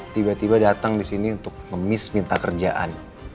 tiba tiba datang disini untuk ngemis minta kerjaan